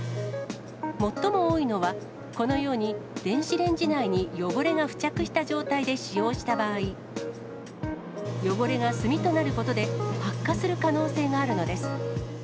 最も多いのは、このように、電子レンジ内に汚れが付着した状態で使用した場合、汚れが炭となることで、発火する可能性があるのです。